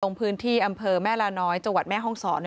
ลงพื้นที่อำเภอแม่ลาน้อยจังหวัดแม่ห้องศร